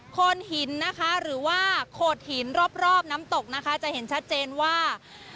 โคนหินนะคะหรือว่าโขดหินรอบน้ำตกนะคะจะเห็นชัดเจนว่า